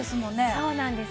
そうなんです。